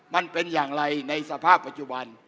มันเป็นอย่างไรในสภาพปัจจุบัน